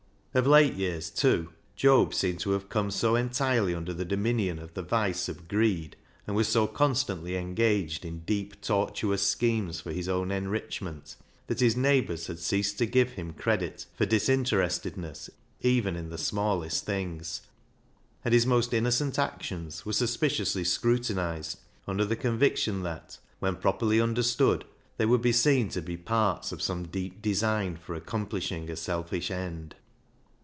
Of late years, too, Job seemed to have come so entirely under the dominion of the vice of greed, and was so constantly engaged in deep, tortuous schemes for his own enrichment, that his neighbours had ceased to give him credit THE HAUNTED MAN 377 for disinterestedness even in the smallest things, and his most innocent actions were suspiciously scrutinised, under the conviction that, when properly understood, they would be seen to be parts of some deep design for accomplishing a selfish end.